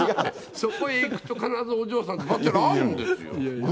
そこへ行くと必ずお嬢さんと会うんですよ。